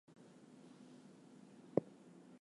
Intimate details of Superman's sex life revealed!